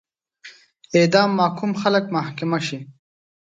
اعدام محکوم خلک محاکمه شي.